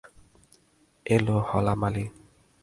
এল হলা মালী।